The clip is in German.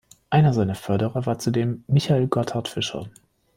Einer seiner Förderer war zudem Michael Gotthard Fischer.